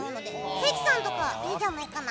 関さんとかいいんじゃないかな？